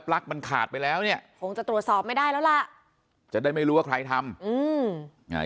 ลั๊กมันขาดไปแล้วเนี่ยคงจะตรวจสอบไม่ได้แล้วล่ะจะได้ไม่รู้ว่าใครทำอืมอ่า